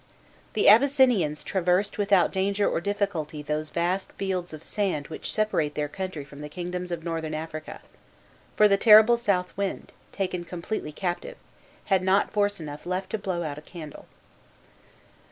The Abyssinians traversed without danger or difficulty those vast fields of sand which separate their country from the kingdoms of Northern Africa, for the terrible South wind, taken completely captive, had not force enough left to blow out a candle.